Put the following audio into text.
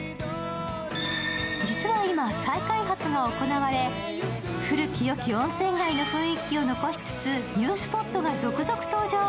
実は今、再開発が行われ、古き良き温泉街の雰囲気を残しつつニュースポットが続々登場。